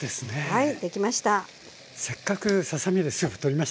はい。